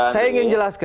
saya ingin jelaskan